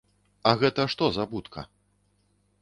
А гэта, што за будка?